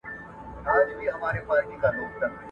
تعليم تل نه ارزول کېږي.